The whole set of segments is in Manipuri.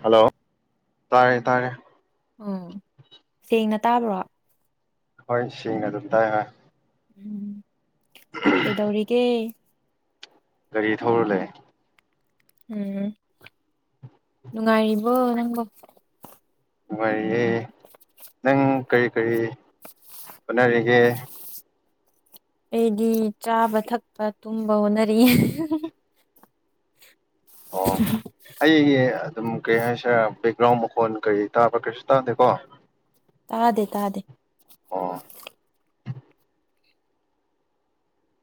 ꯍꯜꯂꯣ ꯇꯥꯔꯦ ꯇꯥꯔꯦ ꯎꯝ ꯁꯦꯡꯅ ꯇꯥꯕ꯭ꯔꯣ ꯍꯣꯏꯁꯤꯡ ꯑꯗꯨ ꯑꯗꯨꯝ ꯇꯥꯏ ꯍꯣꯏ ꯎꯝ ꯀꯗꯧꯔꯤꯒꯦ ꯒꯥꯔꯤ ꯊꯧꯔ ꯂꯩ ꯎꯝ ꯅꯨꯡꯉꯥꯏꯔꯤꯕꯣ ꯅꯪꯒꯣ ꯃꯦ ꯅꯪ ꯀꯩ ꯀꯔꯤ ꯍꯣꯠꯅꯔꯤꯒꯦ ꯑꯩꯗꯤ ꯆꯥꯕ ꯊꯛꯄ ꯇꯨꯝꯕ ꯍꯣꯠꯅꯔꯤ ꯑꯣ ꯑꯩ ꯑꯗꯨꯝ ꯀꯩ ꯍꯥꯏꯁꯔꯦ ꯉꯥꯎ ꯃꯈꯣꯟ ꯀꯔꯤ ꯇꯥꯕ꯭ꯔꯥ ꯀꯩꯁꯨ ꯇꯥꯗꯦꯀꯣ ꯇꯥꯗꯦ ꯇꯥꯗꯦ ꯑꯣ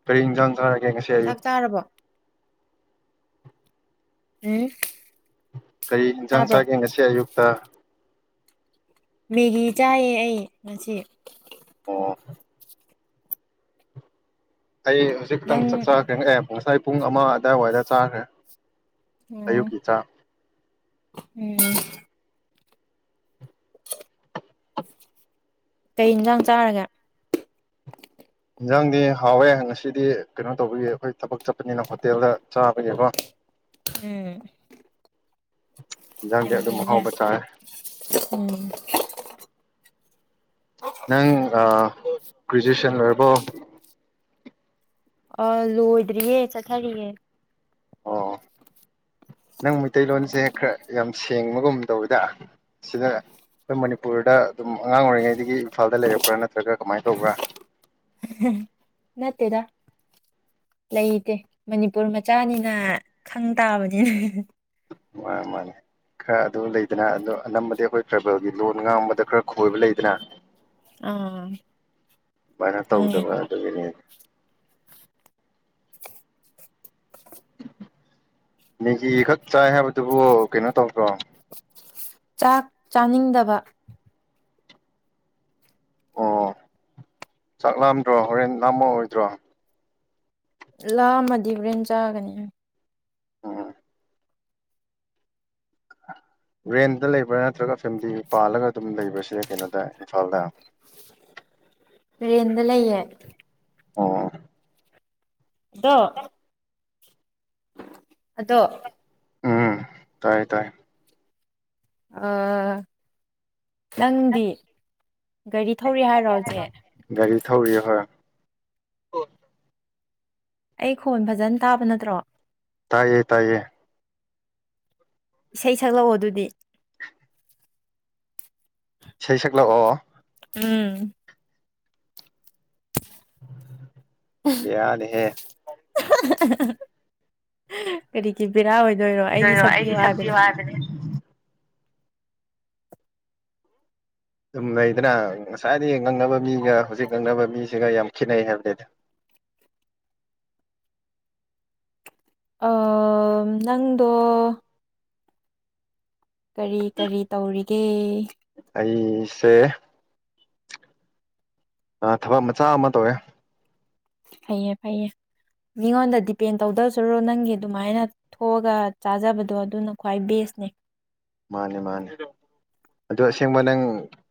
ꯐꯔꯤ ꯀꯥꯡ ꯆꯥꯛ ꯆꯥꯔꯕꯣ ꯎꯝ ꯀꯔꯤ ꯌꯦꯟꯁꯥꯡ ꯇꯥꯕ꯭ꯔꯣ ꯆꯥꯒꯦ ꯉꯁꯤ ꯑꯌꯨꯛꯇ ꯃꯦꯒꯤ ꯆꯥꯏꯌꯦ ꯑꯩ ꯉꯁꯤ ꯑꯣ ꯑꯩ ꯍꯧꯖꯤꯛ ꯈꯤꯇꯪ ꯅꯪ ꯆꯠꯆꯔꯛꯒꯦ ꯑꯦ ꯉꯁꯥꯏ ꯄꯨꯡ ꯑꯃ ꯑꯗꯥꯏꯋꯥꯏꯗ ꯆꯥꯈ꯭ꯔꯦ ꯎꯝ ꯑꯌꯨꯛꯀꯤ ꯆꯥꯛ ꯎꯝ [inaudible] ꯀꯩ ꯏꯟꯁꯥꯡ ꯆꯥꯔꯒꯦ ꯌꯦꯟꯖꯥꯡꯗꯤ ꯍꯥꯎꯋꯦ ꯉꯁꯤꯗꯤ ꯀꯩꯅꯣ ꯇꯧꯕꯒꯤ ꯑꯩꯈꯣꯏ ꯊꯕꯛ ꯆꯠꯄꯅꯤꯅ ꯍꯣꯇꯦꯜꯗ ꯆꯥꯕꯒꯤꯀꯣ ꯑꯦ ꯏꯟꯖꯥꯡꯗꯤ ꯌꯥꯝ ꯑꯗꯨꯝ ꯀꯅꯦ ꯑꯍꯥꯎꯕ ꯆꯥꯔꯦ ꯎꯝ ꯅꯪ ꯒ꯭ꯔꯦꯖꯨꯑꯦꯁꯟ ꯂꯣꯏꯔꯕꯣ ꯑ ꯂꯣꯏꯗ꯭ꯔꯤꯌꯦ ꯆꯠꯊꯔꯤꯌꯦ ꯑꯣ ꯅꯪ ꯃꯩꯇꯩꯂꯣꯟꯁꯦ ꯈꯔ ꯌꯥꯝ ꯁꯦꯡꯕꯒꯨꯝ ꯇꯧꯋꯤꯗ ꯁꯤꯗ ꯑꯩꯈꯣꯏ ꯃꯅꯤꯄꯨꯔꯗ ꯑꯗꯨꯝ ꯑꯉꯥꯡ ꯑꯣꯏꯔꯤꯉꯩꯗꯒꯤ ꯏꯝꯐꯥꯜꯗ ꯂꯩꯔꯛꯄ꯭ꯔꯥ ꯅꯠꯇ꯭ꯔꯒ ꯀꯃꯥꯏꯅ ꯇꯧꯕ꯭ꯔꯥ ꯅꯠꯇꯦꯗ ꯂꯩꯇꯦ ꯃꯅꯤꯄꯨꯔ ꯃꯆꯥꯅꯤꯅ ꯈꯪ ꯇꯥꯕꯅꯤꯅ ꯃꯥꯅꯦ ꯃꯥꯅꯦ ꯈꯔ ꯑꯗꯨ ꯂꯩꯗꯅ ꯑꯗꯨ ꯑꯅꯝꯕꯗꯤ ꯑꯩꯈꯣꯏ ꯇ꯭ꯔꯥꯏꯕꯦꯜꯒꯤ ꯂꯣꯟ ꯉꯥꯡꯕꯗ ꯈꯔ ꯈꯣꯏꯕ ꯂꯩꯗꯅ ꯑꯥ ꯑꯗꯨꯃꯥꯏꯅ ꯈꯪꯉꯦ ꯇꯧꯗꯕ ꯑꯗꯨꯒꯤꯅꯦ [inaudible] ꯃꯦꯒꯤ ꯈꯥꯛ ꯆꯥꯏ ꯑꯗꯨꯕꯨ ꯀꯩꯅꯣ ꯇꯧꯕ꯭ꯔꯣ ꯆꯥꯛ ꯆꯥꯅꯤꯡꯗꯕ ꯑꯣ ꯆꯥꯛ ꯂꯥꯝꯗ꯭ꯔꯣ ꯍꯣꯔꯦꯟ ꯂꯥꯝꯃ ꯑꯣꯏꯗ꯭ꯔꯣ ꯂꯥꯛꯑꯝꯃꯗꯤ ꯕꯔꯦꯟ ꯆꯥꯒꯅꯤ ꯑ ꯔꯦꯟꯗ ꯂꯩꯕ꯭ꯔꯥ ꯅꯠꯇ꯭ꯔꯒ ꯐꯦꯃꯤꯂꯤ ꯄꯥꯜꯂꯒ ꯑꯗꯨꯝ ꯂꯩꯕ꯭ꯔꯁꯦ ꯀꯩꯅꯣꯗ ꯏꯝꯐꯥꯜꯗ ꯑꯦꯗ ꯂꯌꯦꯌꯦꯦ ꯑꯣ ꯗꯣ ꯑꯗꯣ ꯎꯝ ꯇꯥꯏ ꯇꯥꯏ ꯑ ꯅꯪꯗꯤ ꯒꯥꯔꯤ ꯊꯧꯔꯤ ꯍꯥꯏꯔꯣ ꯍꯧꯖꯤꯛ ꯒꯥꯔꯤ ꯊꯧꯔꯤ ꯍꯣꯏ ꯎ ꯑꯩ ꯈꯣꯟ ꯐꯖꯅ ꯇꯥꯕ ꯅꯠꯇ꯭ꯔꯣ ꯇꯥꯏꯌꯦ ꯇꯥꯏꯌꯦ ꯏꯁꯩ ꯁꯛꯂꯛꯑꯣ ꯑꯗꯨꯗꯤ ꯏꯁꯩ ꯁꯛꯂꯛꯑꯣ ꯎꯝ ꯌꯥꯗ ꯍꯦ ꯀꯔꯤꯒꯤ ꯕꯔ ꯑꯣꯏ ꯀꯗꯔꯣ ꯑꯩꯒꯤ ꯁꯞꯖꯤ ꯋꯥꯕꯅꯦ ꯑꯗꯨꯝ ꯂꯩꯗꯅ ꯉꯁꯥꯏꯗꯤ ꯉꯛꯅꯕ ꯃꯤꯒ ꯍꯧꯖꯤꯛ ꯉꯛꯅꯕ ꯃꯤꯁꯤꯒ ꯌꯥꯝ ꯈꯦꯠꯅꯩ ꯍꯥꯏꯕꯗꯤꯗ ꯑꯥ ꯅꯪꯗ ꯀꯔꯤ ꯀꯔꯤ ꯇꯧꯔꯤꯒꯦ ꯑꯩꯁꯦ ꯑ ꯊꯕꯛ ꯃꯆꯥ ꯑꯃ ꯇꯧꯋꯦ ꯐꯩꯌꯦ ꯐꯩꯌꯦ ꯃꯤꯉꯣꯟꯗ ꯗꯤꯄꯦꯟ ꯇꯧꯗꯧꯁꯤꯔꯣ ꯅꯪꯒꯤ ꯑꯗꯨꯃꯥꯏꯅ ꯊꯣꯛꯑꯒ ꯆꯥꯖꯕꯗꯣ ꯑꯗꯨꯅ ꯈ꯭ꯋꯥꯏ ꯕꯦꯁꯅꯦ ꯃꯥꯅꯤ ꯃꯥꯅꯤ ꯑꯗꯣ ꯑꯁꯦꯡꯕ ꯅꯪ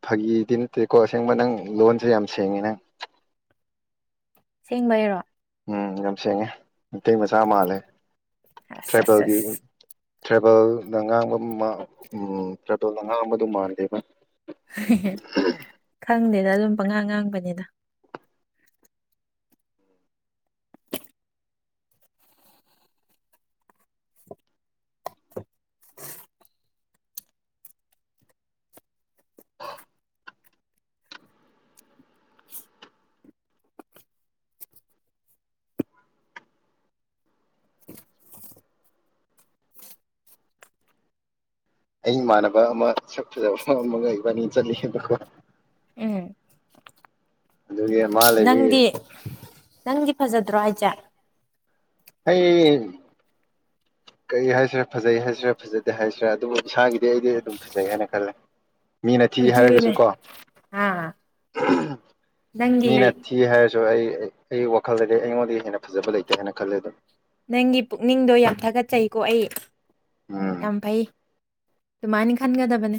ꯐꯥꯒꯤꯗꯤ ꯅꯠꯇꯦꯀꯣ ꯑꯁꯦꯡꯕ ꯅꯪ ꯂꯣꯟꯁꯦ ꯌꯥꯝ ꯁꯦꯡꯉꯤ ꯅꯪ ꯁꯦꯡꯕ ꯍꯥꯏꯔꯣ ꯎꯝ ꯌꯥꯝ ꯁꯦꯡꯉꯦ ꯃꯤꯇꯩ ꯃꯆꯥ ꯃꯥꯜꯂꯦ ꯑꯁ ꯑꯁ ꯇ꯭ꯔꯥꯏꯕꯦꯜꯒꯤꯦ ꯑꯁ ꯇ꯭ꯔꯥꯕꯦꯜꯅ ꯉꯥꯡꯕ ꯎꯝ ꯇ꯭ꯔꯥꯕꯦꯜꯅ ꯉꯥꯡꯕ ꯑꯗꯨ ꯃꯥꯟꯗꯦꯕ ꯁꯤꯗ ꯑꯗꯨꯨꯝ ꯄꯉꯥꯡ ꯉꯥꯡꯕꯅꯤꯅ ꯎ ꯑꯩ ꯏꯃꯥꯟꯅꯕ ꯑꯃ ꯁꯛ ꯐꯖꯕ ꯑꯃꯒ ꯂꯩꯕꯅꯤ ꯆꯠꯂꯤꯑꯕꯀꯣ ꯎꯝ ꯑꯗꯨꯒꯤ ꯑꯃ ꯂꯩꯕꯤ ꯅꯪꯗꯤ ꯅꯪꯗꯤ ꯐꯖꯗ꯭ꯔꯣ ꯍꯥꯏꯁꯦ ꯍ ꯀꯔꯤ ꯍꯥꯏꯁꯤꯔꯥ ꯐꯖꯩ ꯍꯥꯏꯁꯤꯔꯥ ꯐꯖꯗꯦ ꯍꯥꯏꯁꯤꯔꯥ ꯑꯗꯨꯕꯨ ꯏꯁꯥꯒꯤꯗꯤ ꯑꯩꯗꯤ ꯑꯗꯨꯝ ꯐꯖꯩ ꯍꯥꯏꯅ ꯈꯜꯂꯦ ꯃꯤꯅ ꯊꯤ ꯑꯗꯨꯅꯦ ꯍꯥꯏꯔꯒꯁꯨꯀꯣ ꯑꯥ ꯅꯪꯒꯤ ꯃꯤꯅ ꯊꯤ ꯍꯥꯏꯔꯁꯨ ꯑꯩ ꯑꯩ ꯋꯥꯈꯜꯗꯗꯤ ꯑꯩꯉꯣꯟꯗꯤ ꯍꯦꯟꯅ ꯐꯖꯕ ꯂꯩꯇꯦ ꯍꯥꯏꯅ ꯈꯜꯂꯦ ꯑꯗꯨꯝ ꯅꯪꯒꯤ ꯄꯨꯛꯅꯤꯡꯗꯣ ꯌꯥꯝ ꯊꯥꯒꯠꯆꯩꯀꯣ ꯑꯩ ꯎꯝ ꯌꯥꯝ ꯐꯥꯏ ꯇꯨꯃꯥꯏ ꯅꯤꯡ ꯈꯥꯟꯒꯦꯗꯕꯅꯦ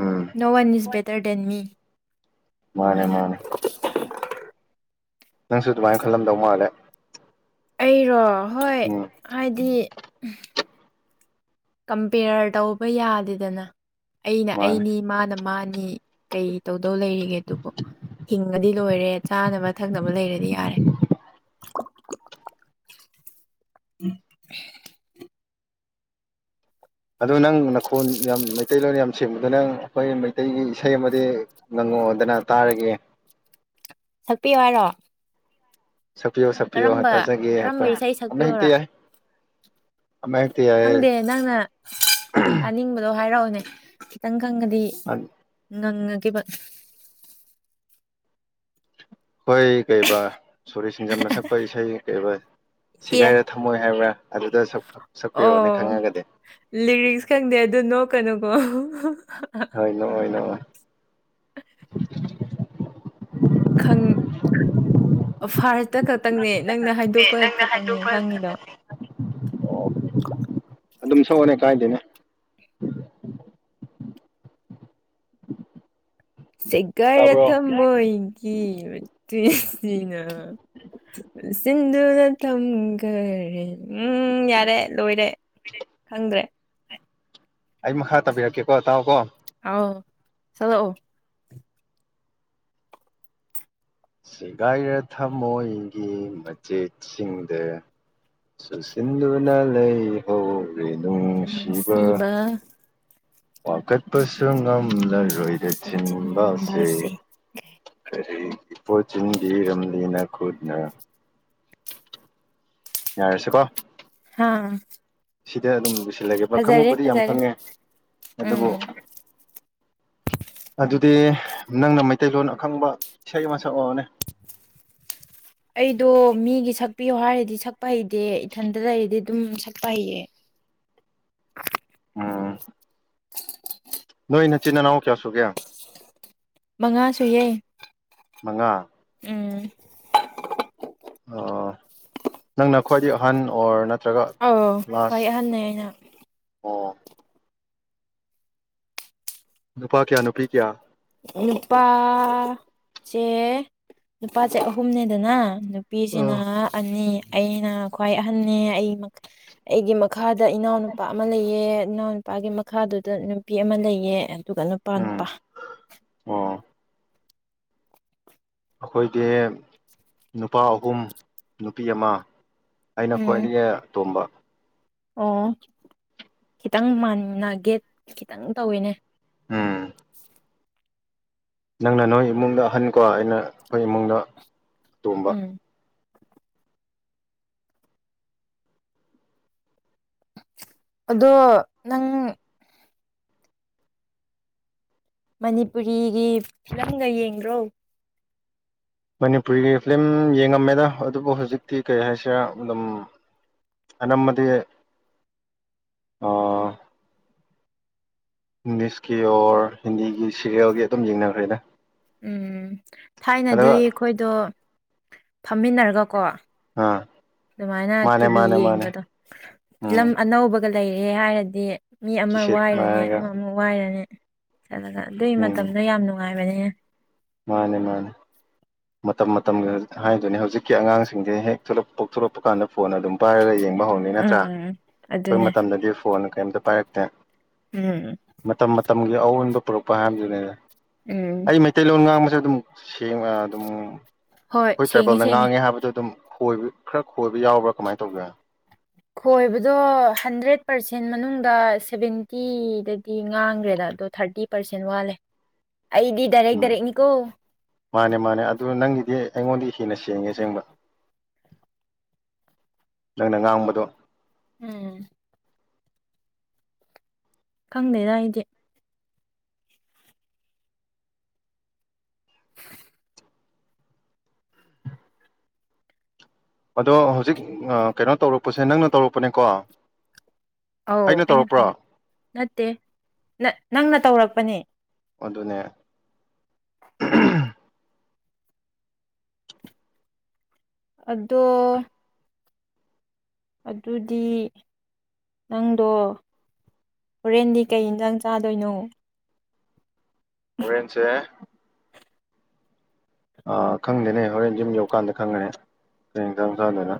ꯎꯝ ꯅꯣꯋꯟ ꯏꯁꯕꯦꯇꯔ ꯗꯦꯟꯃꯤ ꯃꯥꯅꯦ ꯃꯥꯅꯦ ꯅꯪꯁꯨ ꯑꯗꯨꯃꯥꯏꯅ ꯈꯜꯂꯝꯗꯧ ꯃꯥꯜꯂꯦ ꯑꯩꯔꯣ ꯑ ꯍꯣꯏ ꯎꯝ ꯍꯥꯏꯗꯤ ꯎ ꯀꯝꯄꯦꯔꯌ ꯇꯧꯕ ꯌꯥꯗꯦꯗꯅ ꯑꯩꯅ ꯃꯥꯅꯦ ꯑꯩꯅꯤ ꯃꯥꯅ ꯃꯥꯅꯤ ꯀꯩ ꯇꯧꯗꯧ ꯂꯩꯔꯤꯒꯦ ꯑꯗꯨꯕꯨ ꯍꯤꯡꯉꯗꯤ ꯂꯣꯏꯔꯦ ꯆꯥꯅꯕ ꯊꯛꯅꯕ ꯂꯩꯔꯦ ꯌꯥꯔꯦ ꯎꯝ ꯑꯗꯨ ꯅꯪ ꯅꯈꯣꯟ ꯌꯥꯝ ꯃꯩꯇꯩꯂꯣꯟ ꯌꯥꯝ ꯁꯦꯝꯕꯗ ꯅꯪ ꯑꯩꯈꯣꯏ ꯃꯩꯇꯩꯒꯤ ꯏꯁꯩ ꯑꯃꯗꯤ ꯉꯪꯉꯛꯗꯅ ꯇꯥꯔꯒꯦ ꯁꯛꯄꯤꯌꯨ ꯍꯥꯏꯔꯣ ꯁꯄꯤꯌꯣ ꯁꯄꯤꯌꯣ ꯀꯔꯝꯕ ꯇꯖꯒꯦ ꯀꯔꯝꯕ ꯑꯩꯈꯣꯏ ꯏꯁꯩ ꯑꯃ ꯍꯦꯛꯇ ꯁꯛꯄꯤꯌꯣꯔꯥ ꯌꯥꯏ ꯑꯃ ꯍꯦꯛꯇ ꯌꯥꯏ ꯈꯪꯗꯦ ꯅꯪꯅ ꯇꯥꯅꯤꯡꯕꯗꯣ ꯍꯥꯏꯔꯛꯑꯣꯅꯦ ꯆꯈꯤꯇꯪ ꯀꯪꯒꯗꯤ ꯉꯪ ꯉꯥꯒꯦꯕ ꯍꯣꯏ ꯀꯩꯕꯥ ꯁꯣꯔꯤ ꯁꯤꯡꯖꯝꯅ ꯁꯛꯄ ꯏꯁꯩ ꯀꯩ ꯑꯦ ꯁꯤꯒꯥꯏꯔ ꯊꯝꯃꯣꯏ ꯍꯥꯏꯕ꯭ꯔꯥ ꯑꯗꯨꯗ ꯁꯛꯄꯤꯔꯛꯑꯣꯅꯦ ꯑꯣ ꯈꯪꯉꯒꯗꯤ ꯀꯩꯅꯀꯣ ꯍꯣꯏ ꯅꯣꯛꯑꯣꯏ ꯅꯣꯛꯑꯣꯏ [unintelligible] ꯈꯪ [unintelligible] ꯐꯥꯜ ꯇ ꯀꯞ ꯈꯇꯪꯅꯦ ꯅꯪꯅ ꯍꯥꯏꯗꯣꯛꯄ ꯅꯪꯅ ꯈꯛꯇꯪꯅꯦ ꯍꯥꯏꯗꯣꯛꯄ ꯈꯪꯉꯤꯗꯣ ꯑꯣ ꯑꯗꯨꯝ ꯁꯛꯑꯣꯅꯦ ꯀꯥꯏꯗꯦꯅꯦ ꯑ ꯁꯦꯒꯥꯏꯔ ꯊꯝꯃꯣꯏꯒꯤ ꯑꯁꯤꯅ ꯁꯤꯁꯤꯡꯗꯨꯗ ꯇꯝꯒ ꯎꯝ ꯌꯥꯔꯦ ꯂꯣꯏꯔꯦ ꯈꯪꯗ꯭ꯔꯦ ꯑꯩ ꯃꯈꯥ ꯇꯥꯕꯤꯔꯛꯀꯦꯀꯣ ꯇꯥꯎꯑꯣ ꯀꯣ ꯑꯣ ꯆꯗꯣ ꯑꯣ ꯁꯦꯒꯥꯏꯔ ꯊꯃꯣꯏꯒꯤ ꯃꯆꯦꯠꯁꯤꯡꯗ ꯆꯨꯁꯤꯟꯗꯨꯅ ꯂꯩꯍꯧ ꯑꯩ ꯅꯨꯡꯁꯤꯕ ꯋꯥ ꯀꯠꯄꯁꯨ ꯉꯝꯖꯔ ꯣꯏꯗ ꯆꯤꯟꯕꯁꯦ ꯆꯦꯟꯁꯤꯟꯕꯁꯦ ꯀꯔꯤ ꯏꯄꯣꯠ ꯆꯤꯟꯗꯤ ꯏꯔꯝꯂꯅ ꯈꯨꯠꯅ ꯌꯥꯔꯁꯤꯀꯣ ꯑꯥ ꯁꯤꯗ ꯑꯗꯨꯝ ꯁꯤꯜꯂꯒꯦꯕ ꯈꯪꯉꯨꯕꯨꯗꯤ ꯌꯥꯝ ꯐꯖꯔꯦ ꯈꯪꯉꯦ ꯑꯗꯨꯕꯨ ꯎꯝ ꯑꯗꯨꯗꯤ ꯅꯪꯅ ꯃꯩꯇꯩꯂꯣꯟ ꯑꯈꯪꯕ ꯏꯁꯩ ꯑꯃꯁꯛ ꯑꯣꯏꯅꯦ ꯑꯩꯗꯣ ꯃꯤꯒꯤ ꯁ ꯄꯤꯌꯣ ꯍꯥꯏꯔꯗꯤ ꯁꯛꯄ ꯍꯩꯇꯦ ꯏꯊꯟꯇ ꯂꯩꯔꯗꯤ ꯑꯗꯨꯝ ꯁꯛꯄ ꯍꯩꯌꯦ ꯑꯣꯝ ꯅꯣꯏ ꯅꯆꯤꯟ ꯏꯅꯥꯎ ꯀꯌꯥ ꯁꯨꯒꯦ ꯃꯉꯥꯁꯨ ꯌꯥꯏ ꯃꯉꯥ ꯑꯣ ꯅꯪꯅ ꯈ꯭ꯋꯥꯏꯗꯒꯤ ꯑꯍꯟ ꯑꯣꯔ ꯅ ꯑꯥꯎ ꯈ꯭ꯋꯥꯏ ꯑꯍꯟꯅ ꯑꯩꯅ ꯑꯣ ꯅꯨꯄꯥ ꯀꯌꯥ ꯅꯨꯄꯤ ꯀꯌꯥ ꯅꯨꯄꯥꯁꯦ ꯅꯨꯄꯥꯁꯦ ꯑꯍꯨꯝꯅꯦꯗꯅ ꯅꯨꯄꯤꯁꯤꯅ ꯎꯝ ꯑꯣ ꯑꯅꯤ ꯑꯩꯅ ꯈ꯭ꯋꯥꯏ ꯑꯍꯟꯅꯤ ꯑꯩ ꯑꯩꯒꯤ ꯃꯈꯥꯗ ꯏꯅꯥꯎꯅꯨꯄꯥ ꯑꯃ ꯂꯩꯌꯦ ꯏꯅꯥꯎ ꯅꯨꯄꯥꯒꯤ ꯃꯈꯥꯗꯨꯗ ꯅꯨꯄꯤ ꯑꯃ ꯂꯩꯌꯦ ꯑꯗꯨꯒ ꯅꯨꯄꯥ ꯅꯨꯄꯥ ꯑ ꯑꯩꯈꯣꯏꯗꯤ ꯅꯨꯄꯥ ꯑꯍꯨꯝ ꯅꯨꯄꯤ ꯑꯃ ꯑꯩꯅ ꯎꯝ ꯈ꯭ꯋꯥꯏꯗꯒꯤ ꯇꯣꯝꯕ ꯑꯣ ꯈꯤꯇꯪ ꯃꯥꯟꯅꯒꯦ ꯈꯤꯇꯪ ꯇꯧꯋꯤꯅꯦ ꯑꯝ ꯅꯪꯅ ꯅꯣꯏ ꯏꯃꯨꯡꯗ ꯑꯍꯟꯀꯣ ꯑꯩꯅ ꯅꯈꯣꯏ ꯏꯃꯨꯡꯗ ꯇꯣꯡꯝꯕ ꯎꯝ ꯑꯗꯣ ꯅꯪ ꯃꯅꯤꯄꯨꯔꯤꯒꯤ ꯐꯤꯂꯝꯒ ꯌꯦꯡ꯭ꯔꯣ ꯃꯅꯤꯄꯨꯔꯤꯒꯤ ꯐꯤꯂꯝ ꯌꯦꯡꯉꯝꯃꯦꯗ ꯑꯗꯨꯕꯨ ꯍꯧꯖꯤꯛꯇꯤ ꯀꯩ ꯍꯥꯏꯁꯦ ꯑꯗꯨꯝ ꯑꯅꯝꯕꯗꯤ ꯏꯪꯂꯤꯁꯀꯤ ꯑꯣꯔ ꯍꯤꯟꯗꯤꯒꯤ ꯁꯤꯦꯔꯤꯌꯦꯜꯒꯤ ꯑꯗꯨꯝ ꯌꯦꯡꯅꯈ꯭ꯔꯦꯗ ꯎꯝ ꯊꯥꯏꯅꯗꯤ ꯑꯗꯨꯒ ꯑꯩꯈꯣꯏꯗꯣ ꯐꯝꯃꯤꯟꯅꯔꯒ ꯀꯣ ꯑꯥ ꯑꯗꯨꯃꯥꯏꯅ ꯃꯥꯅꯦ ꯇꯤꯚꯤ ꯃꯥꯅꯦ ꯃꯥꯅꯦ ꯌꯦꯡꯕꯗ ꯐꯤꯂꯝ ꯎꯝ ꯑꯅꯧꯕ ꯑꯗꯨꯒ ꯂꯩꯔꯦ ꯍꯥꯏꯔꯗꯤ ꯃꯤ ꯑꯃ ꯀꯤꯁꯦꯠ ꯋꯥꯏꯔꯅꯤ ꯃꯥꯏꯔꯒ ꯑꯃꯃꯨꯛ ꯋꯥꯏꯔꯅꯤ ꯆꯠꯂꯒ ꯑꯗꯨꯒꯤ ꯃꯇꯝꯗ ꯌꯥꯝ ꯅꯨꯡꯉꯥꯏ ꯃꯅꯤ ꯃꯥꯅꯤ ꯃꯥꯅꯤ ꯃꯇꯝ ꯃꯇꯝꯒꯤ ꯍꯥꯏꯗꯨꯅꯦ ꯍꯧꯖꯤꯛꯀꯤ ꯑꯉꯥꯡꯁꯤꯡꯁꯦ ꯍꯦꯛꯂ ꯄꯣꯛꯊꯂꯛꯄ ꯀꯥꯟꯗ ꯐꯣꯟ ꯑꯗꯨꯝ ꯄꯥꯏꯔꯒ ꯌꯦ ꯅꯠꯇ꯭ꯔꯥ ꯎꯝ ꯑꯩꯈꯣꯏ ꯑꯗꯨꯅꯦ ꯃꯇꯝꯗꯗꯤ ꯐꯣꯟ ꯀꯩꯝꯇ ꯄꯥꯏꯔꯛꯇꯦ ꯎꯝ ꯃꯇꯝ ꯃꯇꯝꯒꯤ ꯑꯑꯣꯟꯕ ꯄꯣꯄꯥꯟꯗꯨꯅꯦꯗ ꯎꯝ ꯂꯣꯟ ꯉꯥꯡꯕꯁꯦ ꯑꯗꯨꯝ ꯁꯦꯡꯉ ꯑꯗꯨꯝ ꯍꯣꯏ ꯑꯩꯈꯣꯏ ꯁꯦꯡꯉꯦ ꯇ꯭ꯔꯥꯏꯕꯦꯜꯅ ꯁꯦꯡꯉꯦ ꯉꯥꯡꯉꯦ ꯍꯥꯏꯕꯗꯣ ꯑꯗꯨꯝ ꯈꯣꯏꯕ ꯈꯔ ꯈꯣꯏꯕ ꯌꯥꯎꯕ꯭ꯔꯥ ꯀꯃꯥꯏꯅ ꯇꯧꯒꯦ ꯈꯣꯏꯕꯗꯣ ꯍꯟꯗ꯭ꯔꯦꯠ ꯄꯔꯁꯦꯟ ꯄꯥꯔꯁꯦꯟ ꯃꯅꯨꯡꯗ ꯁꯚꯦꯟꯇꯤꯗꯗꯤ ꯉꯥꯡꯈ꯭ꯔꯦꯗ ꯑꯗꯣ ꯊꯥꯔꯇꯤ ꯄꯥꯔꯁꯦꯟ ꯋꯥꯠꯂꯦ ꯑꯩꯗꯤ ꯗꯥꯏꯔꯦꯛ ꯎꯝ ꯗꯥꯏꯔꯦꯛꯅꯤꯀꯣ ꯃꯥꯅꯦ ꯃꯥꯅꯦ ꯑꯗꯨ ꯅꯪꯒꯤꯗꯤ ꯑꯩꯉꯣꯟꯗꯤ ꯍꯦꯟꯅ ꯁꯦꯡꯉꯦ ꯁꯦꯡꯕ ꯅꯪꯅ ꯉꯥꯡꯕꯗꯣ ꯎꯝ ꯈꯪꯗꯦꯗ ꯑꯩꯗꯤ ꯑꯗꯣ ꯍꯧꯖꯤꯛ ꯀꯩꯅꯣ ꯇꯧꯔꯛꯄꯁꯦ ꯅꯪꯅ ꯇꯧꯔꯛꯄꯅꯦꯀꯣ ꯑꯧ ꯑꯩꯅ ꯐꯣꯟ ꯅꯠꯇꯦ ꯅꯪꯅ ꯇꯧꯔꯛ ꯑ ꯑꯗꯨꯅꯦ ꯑꯗꯣ ꯑꯗꯨꯗꯤ ꯅꯪꯗꯣ ꯍꯣꯔꯦꯟꯗꯤ ꯀꯩ ꯏꯟꯖꯥꯡ ꯆꯥꯗꯣꯏꯅꯣ ꯍꯧꯔꯦꯟꯁꯦ ꯑ ꯈꯪꯗꯦꯅꯦ ꯍꯣꯔꯦꯟ ꯁꯨꯝ ꯌꯧꯀꯥꯟꯗ ꯈꯪꯉꯅꯤ ꯑꯦꯛꯖꯥꯝ ꯆꯂꯅ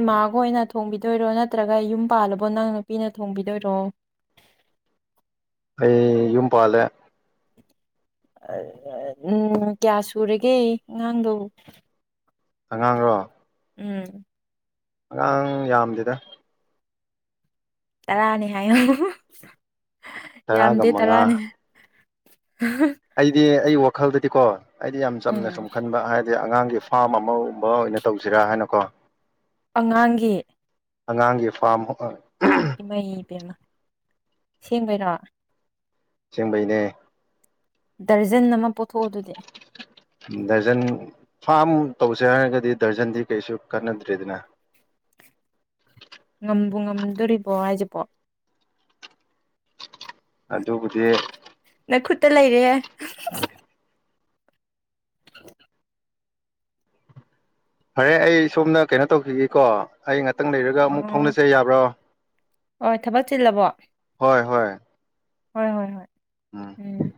ꯏꯃꯥꯒ ꯑꯣꯏꯅ ꯊꯣꯡꯕꯤꯗꯣꯏꯔꯣ ꯅꯠꯇ꯭ꯔꯒ ꯌꯨꯝ ꯄꯥꯜꯂꯕꯣ ꯅꯪ ꯅꯨꯄꯤꯅ ꯊꯣꯡꯕꯤꯗꯣꯏꯔꯣ ꯑꯩ ꯌꯨꯝ ꯄꯥꯜꯂꯦ ꯎꯝ ꯀꯌꯥ ꯁꯨꯔꯒꯦ ꯑꯉꯥꯡꯗꯣ ꯑꯉꯥꯡꯔꯣ ꯎꯝ ꯑꯉꯥꯡ ꯌꯥꯝꯗꯦꯗ ꯇꯔꯥꯑꯅꯤ ꯍꯥꯏꯌꯨ ꯌꯥꯝꯗꯦ ꯇꯔꯥꯅꯤ ꯑꯩꯗꯤꯦ ꯑꯩ ꯋꯥ ꯈꯜꯗꯗꯤ ꯀꯣ ꯑꯩꯗꯤ ꯌꯥꯝ ꯆꯝꯅ ꯎꯝ ꯁꯨꯝ ꯈꯟꯕ ꯍꯥꯏ ꯍꯥꯏ ꯑꯉꯥꯡꯒꯤ ꯐꯥꯝ ꯑꯃꯒꯨꯝꯕ ꯑꯣꯏꯅ ꯇꯧꯁꯤꯔꯥ ꯍꯥꯏꯅꯀꯣ ꯑꯉꯥꯡꯒꯤ ꯑꯉꯥꯡꯒꯤ ꯐꯥꯝ ꯍ ꯏꯃꯩ ꯏꯕꯦꯝꯃ ꯁꯦꯝꯦꯡꯕꯩꯔꯣ ꯆꯤꯡꯕꯩꯅꯦ ꯗꯔꯖꯟ ꯅ ꯗꯖꯟ ꯐꯥꯝ ꯇꯧꯁꯦ ꯍꯥꯏꯔꯒꯗꯤ ꯗꯔꯖꯟꯗꯤ ꯀꯩꯁꯨ ꯀꯥꯟꯅꯗ꯭ꯔꯦꯗꯅ ꯉꯝꯕꯨ ꯉꯝꯗꯣꯔꯤꯕꯣ ꯍꯥꯏꯁꯤꯕꯣ ꯑꯗꯨꯕꯨꯗꯤ ꯅ ꯈꯨꯠꯇ ꯂꯩꯔꯦ ꯐꯔꯦ ꯑꯩ ꯁꯣꯝꯅ ꯀꯩꯅꯣ ꯇꯧꯈꯤꯒꯦꯀꯣ ꯑꯩ ꯉꯥꯛꯇꯪ ꯂꯩꯔꯒ ꯑꯃꯨꯛ ꯐꯥꯎꯅꯁ ꯌꯥꯕ꯭ꯔꯣ ꯍ ꯊꯕꯛ ꯆꯤꯜꯂꯕꯣ ꯍꯣꯏ ꯍꯣꯏ ꯍꯣꯏ ꯍꯣꯏ ꯍꯣꯏ ꯎꯝ